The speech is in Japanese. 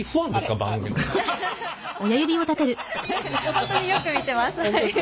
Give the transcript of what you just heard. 本当によく見てます。